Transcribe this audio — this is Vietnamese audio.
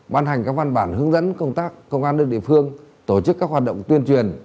ban hành các văn bản hướng dẫn công tác công an đơn địa phương tổ chức các hoạt động tuyên truyền